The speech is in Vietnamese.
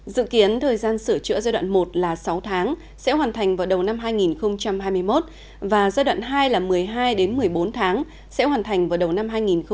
dự kiến thời gian sửa chữa giai đoạn một là sáu tháng sẽ hoàn thành vào đầu năm hai nghìn hai mươi một và giai đoạn hai là một mươi hai một mươi bốn tháng sẽ hoàn thành vào đầu năm hai nghìn hai mươi một